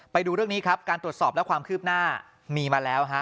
ไปดูเรื่องนี้ครับการตรวจสอบและความคืบหน้ามีมาแล้วฮะ